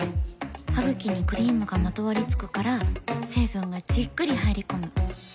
ハグキにクリームがまとわりつくから成分がじっくり入り込む。